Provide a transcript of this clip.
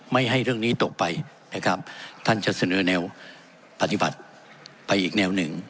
ไม่ให้เรื่องนี้ตกไปนะครับท่านจะเสนอแนวปฏิบัติไปอีกแนวหนึ่ง